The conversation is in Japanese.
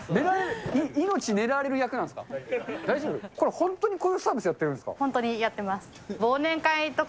本当にこれ、こういうサービスやってるんですか。